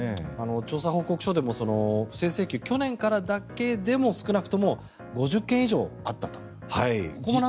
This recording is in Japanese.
調査報告書でも不正請求、去年からだけでも少なくとも５０件以上あったと。